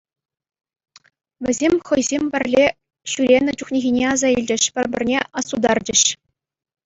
Вӗсем хӑйсем пӗрле ҫӳренӗ чухнехине аса илчӗҫ, пӗр-пӗрне астутарчӗҫ.